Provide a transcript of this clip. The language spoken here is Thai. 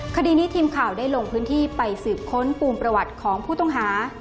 คดีนี้ทีมข่าวได้ลงพื้นที่ไปสืบค้นปูมประวัติของผู้ต้องหา